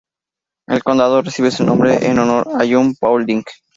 El condado recibe su nombre en honor a John Paulding.